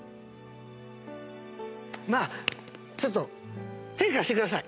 まあちょっと手貸してください。